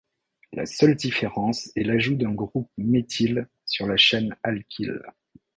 La seule différence est l'ajout d'un groupe méthyle sur la chaine alkyle.